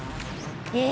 え